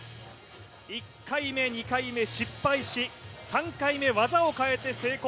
１回目、２回目失敗し、３回目、技を変えて成功。